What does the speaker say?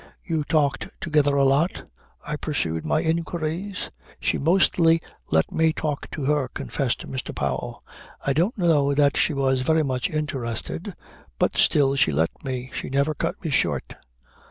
"You talked together a lot?" I pursued my inquiries. "She mostly let me talk to her," confessed Mr. Powell. "I don't know that she was very much interested but still she let me. She never cut me short."